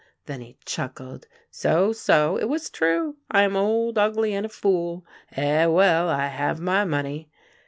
Then he chuckled: " So, so! It was true! I am old, ugly, and a fool. Eh, well! I have my money."